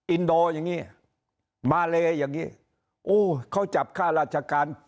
สนามิโพรติกิเนยพูดจะทราบข้าราชการ